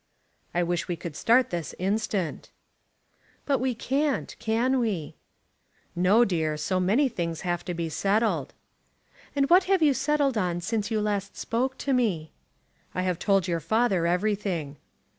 "I wish we could start this instant." "But we can't, can we?" "No, dear. So many things have to be settled." "And what have you settled on since you last spoke to me?" "I have told your father everything."